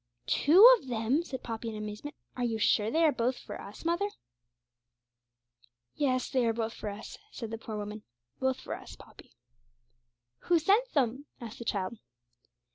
'Two of them?' said Poppy, in amazement. 'Are you sure they are both for us, mother?' 'Yes, they are both for us,' said the poor woman; 'both for us, Poppy.' 'Who sent them?' asked the child.